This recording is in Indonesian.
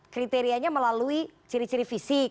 kriterianya melalui ciri ciri fisik